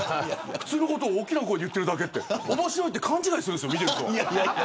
普通のことを大きい声で言ってるだけで面白いと勘違いするんですよ。